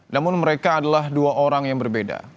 namun mereka adalah dua orang yang berbeda